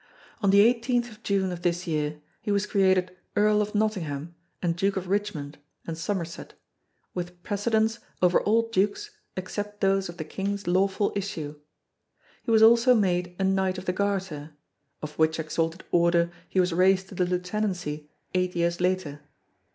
On the 18th of June of this year he was created Earl of Nottingham and Duke of Richmond and Somerset, with precedence over all dukes except those of the King's lawful issue. He was also made a Knight of the Garter of which exalted Order he was raised to the Lieutenancy eight years later.